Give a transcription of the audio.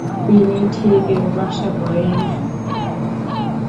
তিনি ঠিক এরূপ আশা করেন নাই।